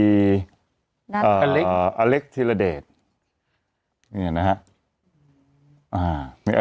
อิเล็กซ์อิเล็กซ์อิเล็กซ์บิลอะไรนะครับอ่ะเอออุ้ย